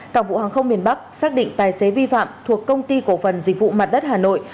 cảng vụ hàng không miền bắc xác định tài xế vi phạm thuộc công ty cổ phần dịch vụ mặt đất hà nội